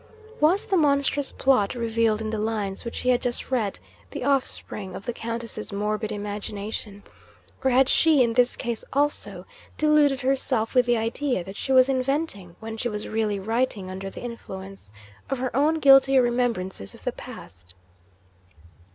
Was the monstrous plot, revealed in the lines which he had just read, the offspring of the Countess's morbid imagination? or had she, in this case also, deluded herself with the idea that she was inventing when she was really writing under the influence of her own guilty remembrances of the past?